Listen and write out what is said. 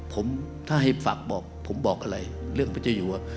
ผมถ้าให้ฝากบอกผมบอกอะไรเรื่องพระเจ้าอยู่ว่า